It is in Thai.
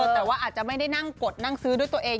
แต่ว่าอาจจะไม่ได้นั่งกดนั่งซื้อด้วยตัวเอง